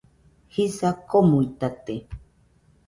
Jisa komuitate